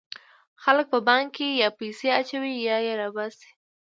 خلک په بانک کې یا پیسې اچوي یا یې را باسي.